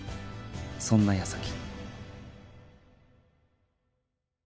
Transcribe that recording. そんな矢先